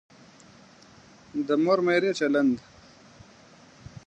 د مور میرې چلند.